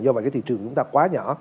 do vậy thị trường cũng đã quá nhỏ